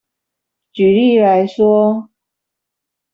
舉例來說